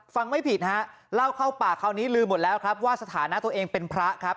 ไม่ผิดฮะเล่าเข้าปากคราวนี้ลืมหมดแล้วครับว่าสถานะตัวเองเป็นพระครับ